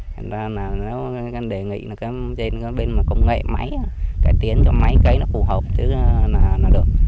nên là nếu các anh đề nghị trên bên công nghệ máy cải tiến cho máy cấy nó phù hợp thì nó được